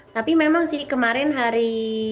tapi memang sih kemarin hari